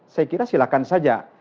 saya kira silakan saja